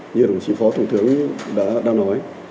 như đồng chí phó thủng thướng đã nói